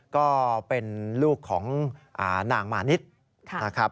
ก็เป็นลูกของหน่างหมานิษฐ์